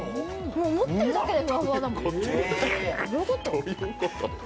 もう持ってるだけでふわふわだもん。